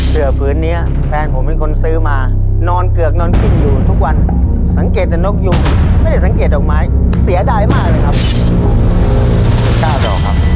เสือผืนนี้แฟนผมเป็นคนซื้อมานอนเกือกนอนกินอยู่ทุกวันสังเกตแต่นกอยู่ไม่ได้สังเกตดอกไม้เสียดายมากเลยครับ๙ดอกครับ